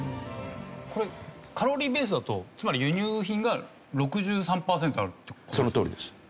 これカロリーベースだとつまり輸入品が６３パーセントあるって事ですよね？